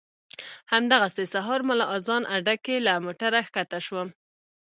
همدغسې سهار ملا اذان اډه کې له موټره ښکته شوم.